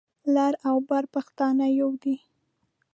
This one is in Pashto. لر او بر پښتانه يو دي.